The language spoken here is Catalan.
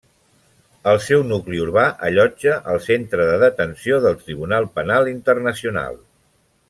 El seu nucli urbà allotja el centre de detenció del Tribunal Penal Internacional.